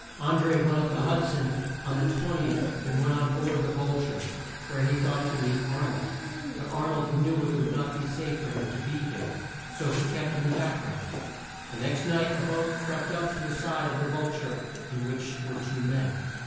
An dré went up the Hud son on the 20th and went on board the Vul ture where he thought to meet Ar nold. But Ar nold knew it would not be safe for him to be there; so he kept in the back ground. The next night a boat crept up to the side of the Vul ture in which were two men.